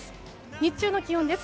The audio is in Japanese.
日中の気温です。